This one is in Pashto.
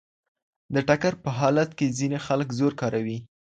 د ټکر په حالت کي ځيني خلک زور کاروي.